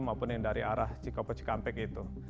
maupun yang dari arah cikopo cikampek gitu